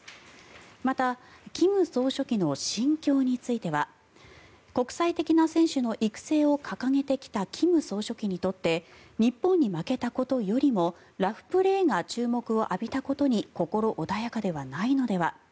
また、金総書記の心境については国際的な選手の育成を掲げてきた金総書記にとって日本に負けたことよりもラフプレーが注目を浴びたことに心穏やかではないのでは。